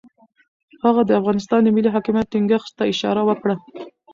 هغه د افغانستان د ملي حاکمیت ټینګښت ته اشاره وکړه.